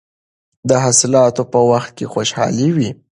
د حاصلاتو په وخت کې خوشحالي وي.